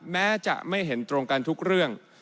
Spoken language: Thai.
แม้จะไม่เห็นตรงกันทุกเรื่อง